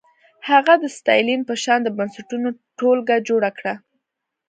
هغه د ستالین په شان د بنسټونو ټولګه جوړه کړه.